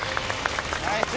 ナイス！